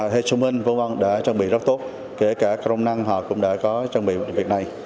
hay sông minh vũ văn đã trang bị rất tốt kể cả công năng họ cũng đã có trang bị việc này